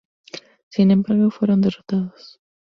Sin embargo, fueron derrotados.